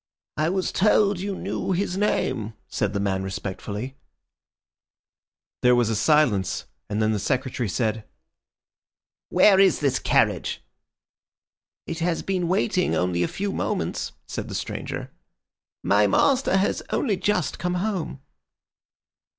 "I was told you knew his name," said the man respectfully. There was a silence, and then the Secretary said— "Where is this carriage?" "It has been waiting only a few moments," said the stranger. "My master has only just come home."